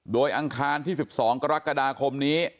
โดยอังคารที่๑๒กรกฎาคมนี้